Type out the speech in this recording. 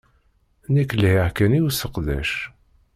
Nekk lhiɣ kan i useqdec!